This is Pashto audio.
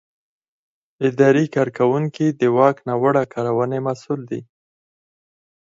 اداري کارکوونکی د واک ناوړه کارونې مسؤل دی.